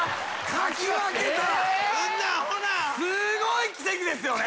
すごい奇跡ですよね。